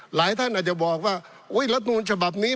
หลายท่านอาจจะบอกว่ารัฐนูลฉบับนี้